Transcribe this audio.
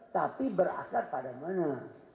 tapi berasal pada mana